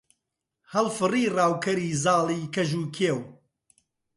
هەڵفڕی ڕاوکەری زاڵی کەژ و کێو